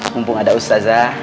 mumpung ada ustadzah